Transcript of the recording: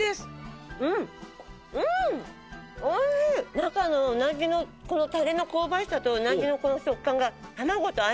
中のうなぎのこのタレの香ばしさとうなぎのこの食感が卵と合いますね！